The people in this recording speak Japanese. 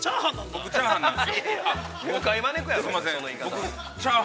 僕、チャーハンなんで。